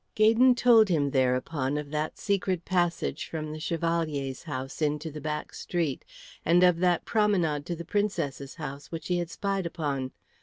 Gaydon told him thereupon of that secret passage from the Chevalier's house into the back street, and of that promenade to the Princess's house which he had spied upon.